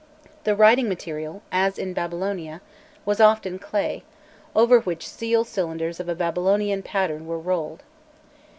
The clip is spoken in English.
The writing material, as in Babylonia, was often clay, over which seal cylinders of a Babylonian pattern were rolled.